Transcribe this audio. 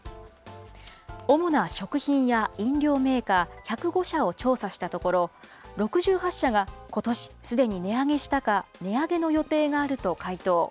主な食品や飲料メーカー１０５社を調査したところ、６８社がことし、すでに値上げしたか、値上げの予定があると回答。